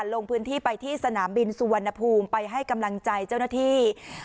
ลงพื้นที่ไปที่สนามบินสุวรรณภูมิไปให้กำลังใจเจ้าหน้าที่